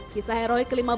kisah heroi kelima pemudaan